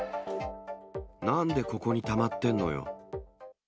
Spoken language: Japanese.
なんでここにたまってんのよ。